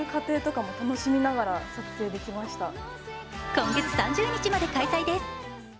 今月３０日まで開催です。